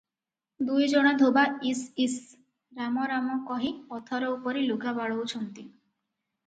ଦୁଇ ଜଣ ଧୋବା ଇଶ୍ ଇଶ୍, ରାମ ରାମ କହି ପଥର ଉପରେ ଲୁଗା ବାଡ଼ଉଛନ୍ତି ।